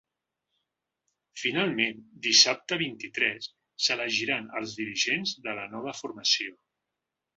Finalment, dissabte vint-i-tres s’elegiran els dirigents de la nova formació.